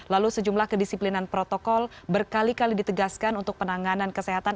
lalu sejumlah kedisiplinan protokol berkali kali ditegaskan untuk penanganan kesehatan